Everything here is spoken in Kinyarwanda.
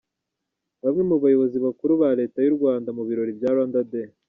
Bamwe mu bayobozi bakuru ba Leta y'u Rwanda mu birori bya Rwanda Day.